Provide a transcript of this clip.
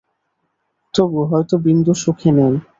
তবু, হয়তো বিন্দু সুখে নাই!